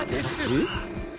えっ？